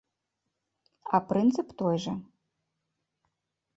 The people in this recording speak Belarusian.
А прынцып той жа.